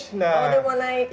oh udah mau naik